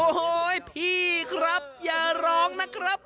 โอ้โหพี่ครับอย่าร้องนะครับ